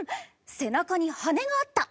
背中に羽根があった。